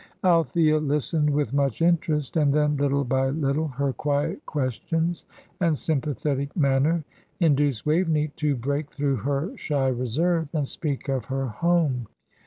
Althea listened with much interest, and then, little by little, her quiet questions and sympathetic manner induced Waveney to break through her shy reserve, and speak of her home.